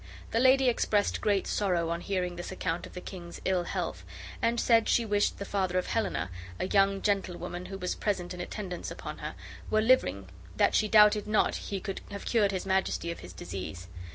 The lady expressed great sorrow on hearing this account of the king's ill health, and said she wished the father of Helena (a young gentlewoman who was present in attendance upon her) were living that she doubted not he could have cured his Majesty of his disease.